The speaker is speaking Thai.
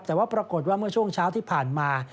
แต่ว่าปรากฏว่าเมื่อช่วงเช้าที่ผ่านมา